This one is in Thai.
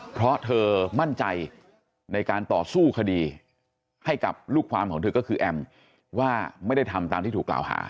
เพราะเธอมั่นใจในการต่อสู้คดีให้กับลูกความของเธอก็คือแอมว่าไม่ได้ทำตามที่ถูกกล่าวหา